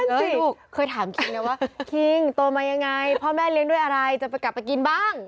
ลูกเคยถามคิงนะว่าคิงโตมายังไงพ่อแม่เลี้ยงด้วยอะไรจะไปกลับไปกินบ้าง